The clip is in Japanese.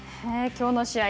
きょうの試合